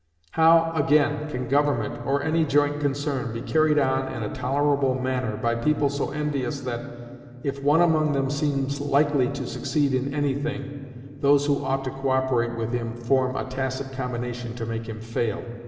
How, again, can government, or any joint concern, be carried on in a tolerable manner by people so envious that, if one among them seems likely to succeed in any thing, those who ought to cooperate with him form a tacit combination to make him fail?